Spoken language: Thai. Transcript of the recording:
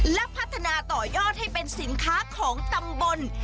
และพัฒนาต่อยอดให้เป็นสินค้าของตำบล